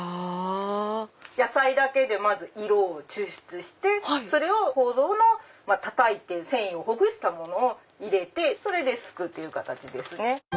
野菜だけでまず色を抽出してそれをコウゾをたたいて繊維をほぐしたものを入れてそれですくっていう形ですね。